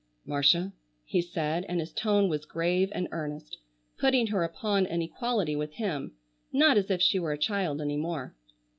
"Marcia," he said, and his tone was grave and earnest, putting her upon an equality with him, not as if she were a child any more.